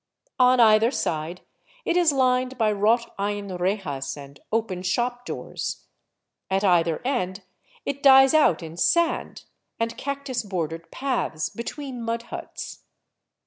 On either side it is lined by wrought iron rejas and open shop doors; at either end it dies out in sand and cactus bordered paths be tween mud huts.